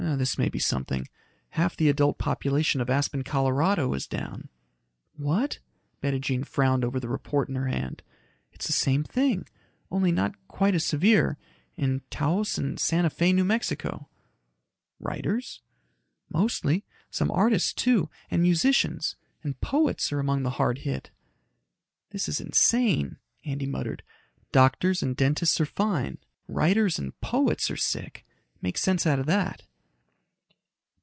"This may be something. Half the adult population of Aspen, Colorado, is down." "What?" Bettijean frowned over the report in her hands. "It's the same thing only not quite as severe in Taos and Santa Fe, New Mexico." "Writers?" "Mostly. Some artists, too, and musicians. And poets are among the hard hit." "This is insane," Andy muttered. "Doctors and dentists are fine writers and poets are sick. Make sense out of that."